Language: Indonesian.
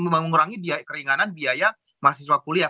mengurangi biaya keringanan biaya mahasiswa kuliah